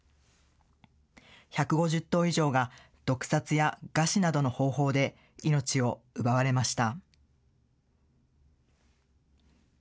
１５０頭以上が、毒殺や餓死などの方法で命を奪われました。